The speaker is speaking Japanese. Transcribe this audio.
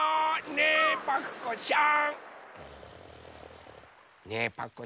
ねえパクこさん！